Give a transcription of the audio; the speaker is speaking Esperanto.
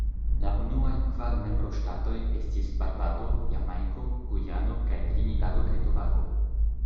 La unuaj kvar membroŝtatoj estis Barbado, Jamajko, Gujano kaj Trinidado kaj Tobago.